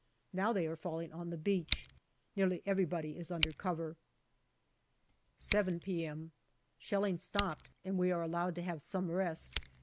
Now they are falling on the beach. Nearly everybody is under cover. 7 p.m. Shelling stopped, and we are allowed to have some rest.